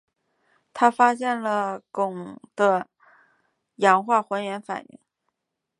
他发现了汞的氧化还原反应。